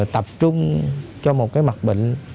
tập trung cho một cái mặt bệnh